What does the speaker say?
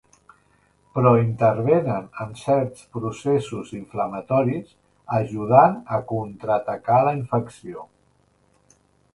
Però intervenen en certs processos inflamatoris, ajudant a contraatacar la infecció.